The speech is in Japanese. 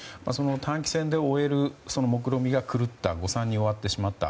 短期戦で終える目論見が狂った誤算に終わってしまった。